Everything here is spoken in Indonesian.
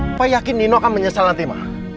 papa yakin nino akan menyesal nanti ma